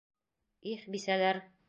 Их, бисәләр!